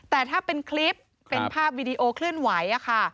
แต่ถ้าเป็นคลิปเป็นภาพวีดีโอเคลื่อนไหวค่ะ